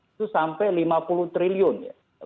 itu sampai lima puluh triliun ya